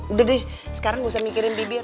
udah deh sekarang gak usah mikirin bibir